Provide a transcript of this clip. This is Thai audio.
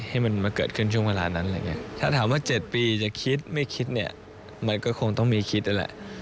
ให้มันมาเกิดขึ้นช่วงเวลานั้นอะไรอย่างนี้ถ้าถามว่า๗ปีจะคิดไม่คิดเนี่ยมันก็คงต้องมีคิดนั่นแหละ